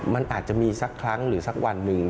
มันอาจจะมีสักครั้งหรือสักวันหนึ่ง